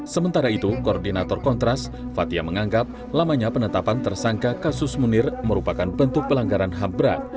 sementara itu koordinator kontras fathia menganggap lamanya penetapan tersangka kasus munir merupakan bentuk pelanggaran ham berat